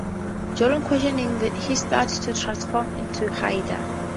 During questioning he starts to transform into Hyde.